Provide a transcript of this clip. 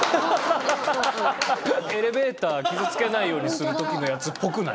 エレベーター傷つけないようにする時のやつっぽくない？